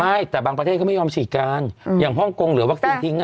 ไม่แต่บางประเทศเขาไม่ยอมฉีดกันอย่างฮ่องกงเหลือวัคซีนทิ้ง